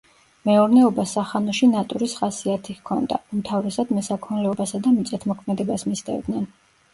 მეურნეობა სახანოში ნატურის ხასიათი ჰქონდა, უმთავრესად მესაქონლეობასა და მიწათმოქმედებას მისდევდნენ.